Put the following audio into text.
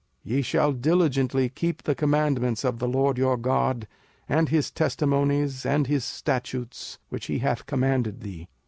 05:006:017 Ye shall diligently keep the commandments of the LORD your God, and his testimonies, and his statutes, which he hath commanded thee.